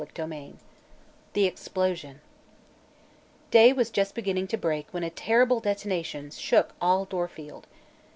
CHAPTER X THE EXPLOSION Day was just beginning to break when a terrible detonation shook all Dorfield.